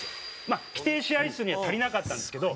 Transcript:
まあ規定試合数には足りなかったんですけど。